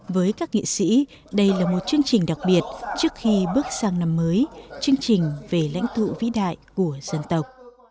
với các nghệ sĩ đây là một chương trình đặc biệt trước khi bước sang năm mới chương trình về lãnh thụ vĩ đại của dân tộc